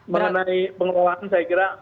mengenai pengelolaan saya kira